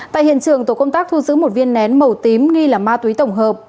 tại hiện trường tổ công tác thu giữ một viên nén màu tím nghi là ma túy tổng hợp